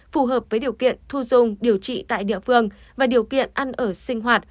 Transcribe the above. phù hợp với điều kiện thu dung điều trị tại địa phương và điều kiện ăn ở sinh hoạt